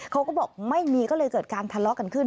เขาก็บอกไม่มีก็เลยเกิดการทะเลาะกันขึ้น